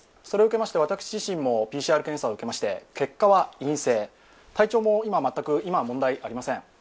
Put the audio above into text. それを受けまして私自身もＰＣＲ検査を受けまして結果は陰性、体調も今は問題ありません。